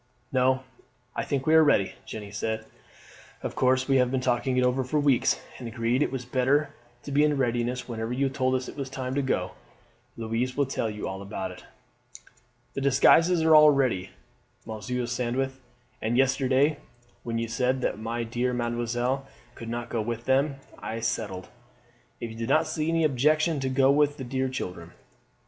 "No, I think we are ready," Jeanne said. "Of course we have been talking it over for weeks, and agreed it was better to be in readiness whenever you told us it was time to go. Louise will tell you all about it." "The disguises are all ready, Monsieur Sandwith; and yesterday when you said that my dear mademoiselle could not go with them, I settled, if you do not see any objection, to go with the dear children."